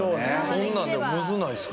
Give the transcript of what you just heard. そんなんムズないすか？